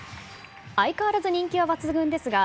相変わらず人気は抜群ですが、